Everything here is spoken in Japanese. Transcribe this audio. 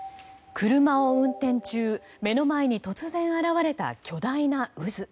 車を運転中目の前に突然現れた巨大な渦。